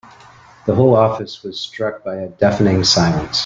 The whole office was struck by a deafening silence.